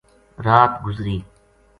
رات گزری